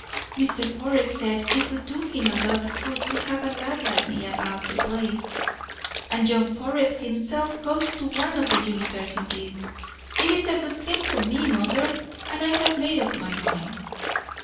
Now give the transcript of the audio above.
Mr. Forrest said it would do him a lot of good to have a lad like me about the place; and young Forrest himself goes to one of the universities. It is a good thing for me, mother, and I have made up my mind."